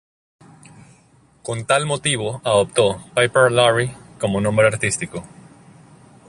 Con tal motivo adoptó "Piper Laurie" como nombre artístico.